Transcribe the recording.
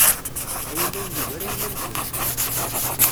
Ayla-w yugar ayla-nkent.